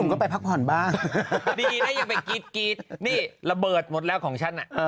นี่ระเบิดหมดแล้วของฉัน